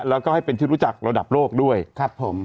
แล้วก็ให้เป็นที่รู้จักระดับโลกด้วยครับผม